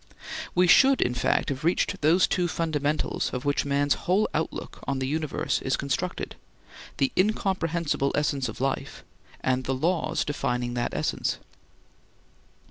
We should in fact have reached those two fundamentals of which man's whole outlook on the universe is constructed—the incomprehensible essence of life, and the laws defining that essence.